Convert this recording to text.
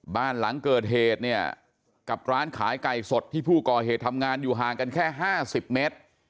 บ้านหลังเกิดเหตุเนี่ยกับร้านขายไก่สดที่ผู้ก่อเหตุทำงานอยู่ห่างกันแค่๕๐เมตร